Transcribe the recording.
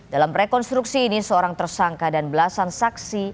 dalam rekonstruksi ini seorang tersangka dan belasan saksi